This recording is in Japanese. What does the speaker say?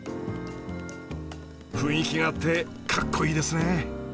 雰囲気があってかっこいいですね